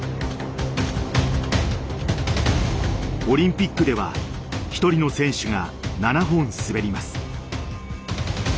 オリンピックでは１人の選手が７本滑ります。